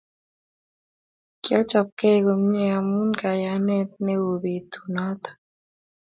Kiochobkei komye amu kayanet neo betut noto